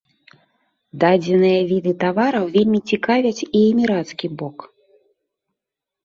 Дадзеныя віды тавараў вельмі цікавяць і эмірацкі бок.